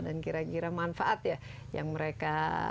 dan kira kira manfaat ya yang mereka